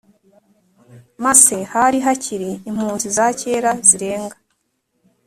Masse hari hakiri impunzi za kera zirenga